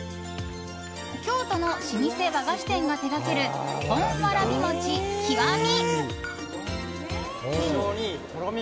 京都の老舗和菓子店が手掛ける本わらび餅極み。